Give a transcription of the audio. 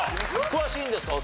詳しいんですか？